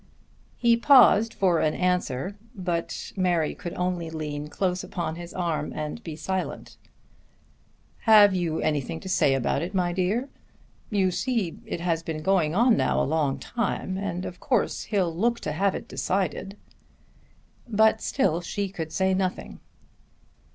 He paused for an answer but Mary could only lean close upon his arm and be silent. "Have you anything to say about it, my dear? You see it has been going on now a long time, and of course he'll look to have it decided." But still she could say nothing.